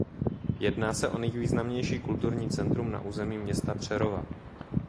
Jedná se o nejvýznamnější kulturní centrum na území města Přerova.